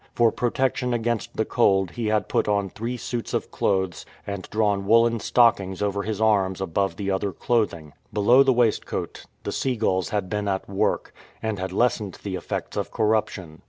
For protection agains t the cold he had put on three suits of clothes and drawn woollen stockings over his arms above the other clothing. Below the waistcoat the seagulls had been at work, and had lessened the effects of corruption.